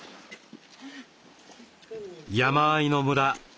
山あいの村。